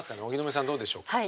荻野目さんどうでしょう？